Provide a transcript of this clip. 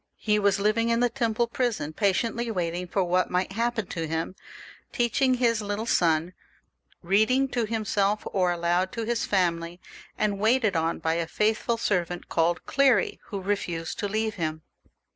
He was living in the Temple prison patiently waiting for what might happen to him, teaching his little son, reading XLVIII.] THE REVOLUTION. 405 to himself or aloud to his fiEtmily, and waited on by a faith ful servant called Clery, who refused to leave him.